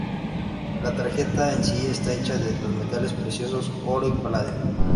La tarjeta en sí está hecha de los metales preciosos oro y paladio.